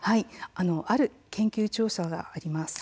ある研究調査があります。